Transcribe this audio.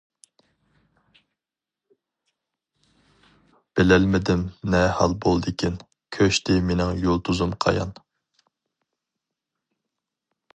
بىلەلمىدىم نە ھال بولدىكىن. كۆچتى مېنىڭ يۇلتۇزۇم قايان؟ !